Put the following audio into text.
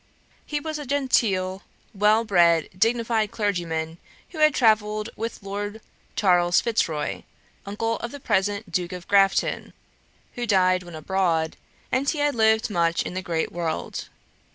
He was a genteel well bred dignified clergyman, had travelled with Lord Charles Fitzroy, uncle of the present Duke of Grafton, who died when abroad, and he had lived much in the great world.